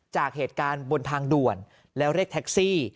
จากเหตุการณ์บนทางด่วนแล้วเรียกแท็กซี่